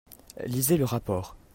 Lisez le rapport